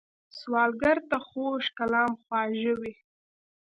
سوالګر ته خوږ کلام خواږه وي